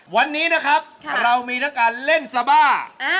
วันนี้นะครับเรามีทั้งการเล่นซาบ้า